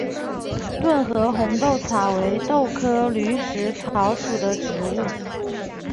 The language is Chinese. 顿河红豆草为豆科驴食草属的植物。